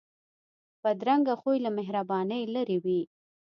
بدرنګه خوی له مهربانۍ لرې وي